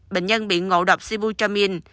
bệnh nhân bị ngộ độc sibutramine